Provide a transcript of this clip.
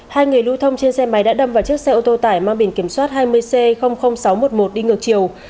hai người lưu thông trên xe máy đã đâm vào chiếc xe ô tô tải mang biển kiểm soát hai mươi c sáu trăm một mươi một đi ngược chiều